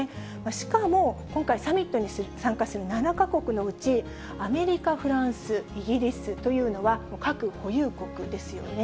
しかも、今回サミットに参加する７か国のうち、アメリカ、フランス、イギリスというのは、核保有国ですよね。